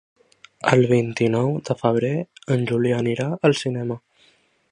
El vint-i-nou de febrer en Julià anirà al cinema.